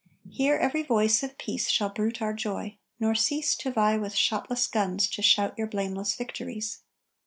Here every voice of Peace Shall bruit our joy, nor cease To vie with shotless guns to shout your blameless victories.